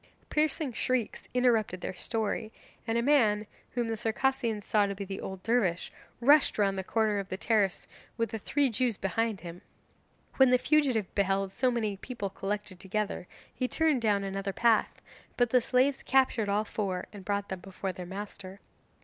Piercing shrieks interrupted their story, and a man, whom the Circassians saw to be the old dervish, rushed round the corner of the terrace with the three Jews behind him. When the fugitive beheld so many people collected together, he turned down another path, but the slaves captured all four and brought them before their master.